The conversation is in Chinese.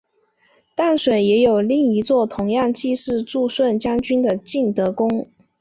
淡水也另有一座同样祭祀助顺将军的晋德宫。